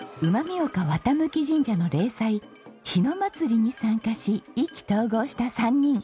見岡綿向神社の例祭日野祭に参加し意気投合した３人。